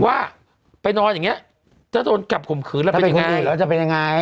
ว่าไปนอนอย่างเงี้ยถ้าโดนกลับข่มขืนแล้วเป็นยังไงแล้วจะเป็นยังไง